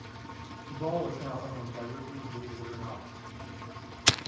The ball is now owned by Ripley's Believe it or Not!